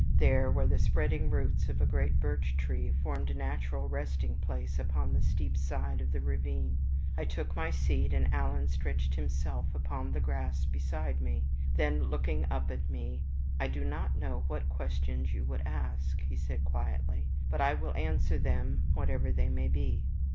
There, where the spreading roots of a great beech tree formed a natural resting place upon the steep side of the ravine, I took my seat, and Alan stretched himself upon the grass beside me. Then looking up at me "I do not know what questions you would ask," he said, quietly; "but I will answer them, whatever they may be."